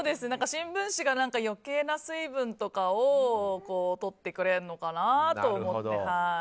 新聞紙が余計な水分とかをとってくれるのかなと思って。